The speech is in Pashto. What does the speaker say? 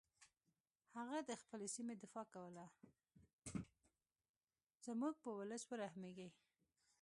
زموږ په ولس ورحمیږې.